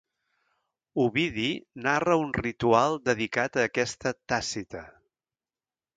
Ovidi narra un ritual dedicat a aquesta Tàcita.